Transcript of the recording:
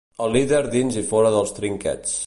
Un lider dins i fora dels trinquets.